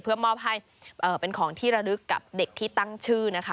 เพื่อมอบให้เป็นของที่ระลึกกับเด็กที่ตั้งชื่อนะคะ